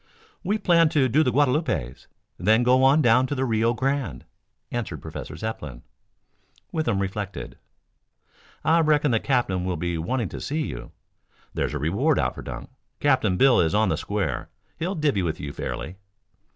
"We planned to do the Guadalupes, then go on down to the Rio Grande," answered Professor Zepplin. Withem reflected. "I reckon the captain will be wanting to see you. There's a reward out for Dunk. Captain Bill is on the square. He'll 'divvy' with you fairly."